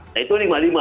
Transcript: nah itu lima puluh lima